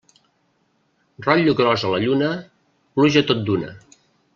Rotllo gros a la lluna, pluja tot d'una.